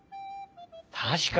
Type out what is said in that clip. たしかに！